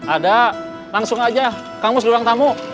ada langsung aja kang mus duluan tamu